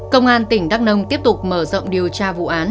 công an tỉnh đắk nông tiếp tục mở rộng điều tra vụ án